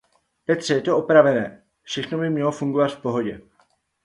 Petře, je to opravené. Všechno by mělo fungovat v pohodě.